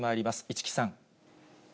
市來さん。